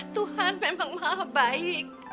tuhan memang maha baik